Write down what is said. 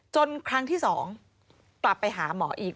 ครั้งที่๒กลับไปหาหมออีก